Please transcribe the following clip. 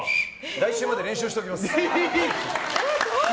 来週まで練習しておきます。